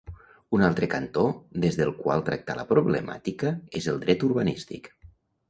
Un altre cantó des del qual tractar la problemàtica és el dret urbanístic.